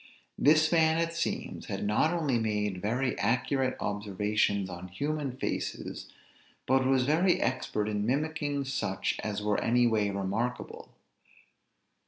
This man, it seems, had not only made very accurate observations on human faces, but was very expert in mimicking such as were any way remarkable.